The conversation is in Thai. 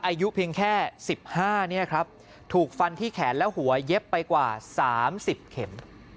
อายุเพียงแค่๑๕เนี่ยครับถูกฟันที่แขนและหัวเย็บไปกว่า๓๐เข็ม